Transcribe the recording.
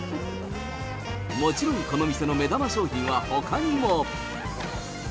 もちろんこの店の目玉商品はほかにも。